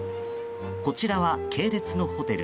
こちらは系列のホテル。